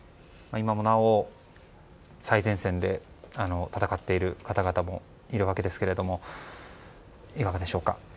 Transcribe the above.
今もなお最前線で戦っている方々もいるわけですがいかがでしょうか。